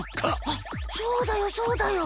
あっそうだよそうだよ。